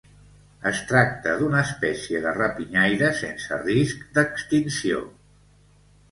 Es tracta d'una espècie de rapinyaire sense risc d'extinció.